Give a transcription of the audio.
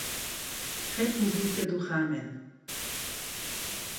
República do Ramen